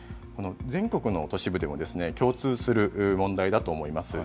全国の都市部でも共通する問題だと思います。